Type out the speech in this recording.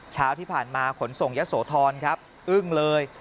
เช้าที่ผ่านมาขนส่งยะโสธรครับอึ้งเลย